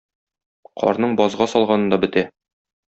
Карның базга салганы да бетә.